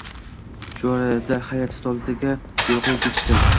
Shu orada hay`at stoliga gul qo`yib ketishdi